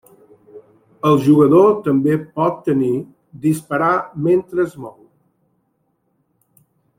El jugador també pot tenir disparar mentre es mou.